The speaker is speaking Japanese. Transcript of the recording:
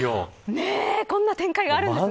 こんな展開があるんですね。